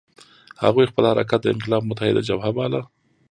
هغوی خپل حرکت د انقلاب متحده جبهه باله.